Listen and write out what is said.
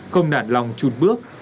không nản lòng chùn bước